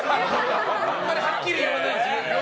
あまりはっきり言わないで。